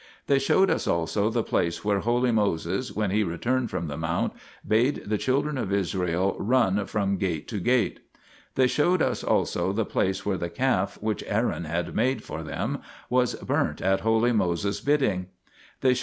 They showed us also the place where holy Moses, when he returned from the mount, bade the children of Israel run from gate to gate? They showed us also the place where the calf which Aaron had made for them was burnt at holy Moses' bidding. They showed 1 Exod. iii.